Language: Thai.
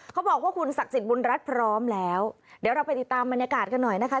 เขาบอกว่าคุณศักดิ์สิทธิบุญรัฐพร้อมแล้วเดี๋ยวเราไปติดตามบรรยากาศกันหน่อยนะคะ